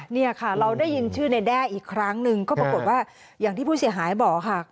เนี่ยค่ะเราได้ยินชื่อในแด้อีกครั้งหนึ่งก็ปรากฏว่าอย่างที่ผู้เสียหายบอกค่ะ